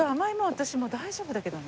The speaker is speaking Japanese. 私もう大丈夫だけどな。